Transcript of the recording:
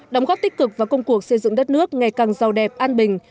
đóng góp tích cực vào công cuộc xây dựng đất nước ngày càng giàu đẹp an bình